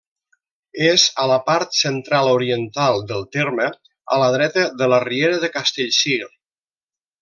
És a la part central-oriental del terme, a la dreta de la riera de Castellcir.